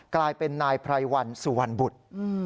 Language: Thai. กลายเป็นนายไพรวันสุวรรณบุตร